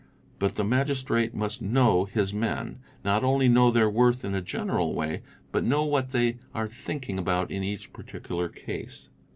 But the Magistrate must know his % men, not only know their worth in a general way, but know what they _ are thinking about in each particular case.